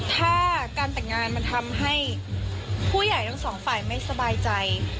ถ้าการแต่งงานมันทำให้ผู้ใหญ่ทั้งสองฝ่ายไม่สบายใจ